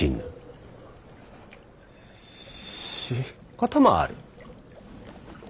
こともある。